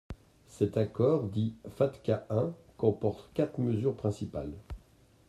Cet accord, dit « FATCA un », comporte quatre mesures principales.